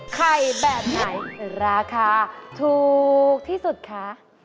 ไข่แบบไหนราคาถูกที่สุดคะ